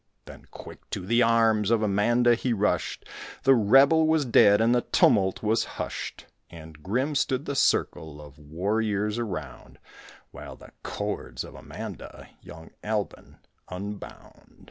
Then quick to the arms Of Amanda he rushed; The rebel was dead, And the tumult was hushed; And grim stood the circle Of warriors around While the cords of Amanda Young Albon unbound.